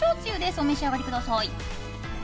お召し上がりください。